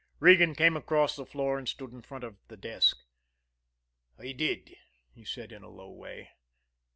Regan came across the floor and stood in front of the desk. "I did," he said in a low way.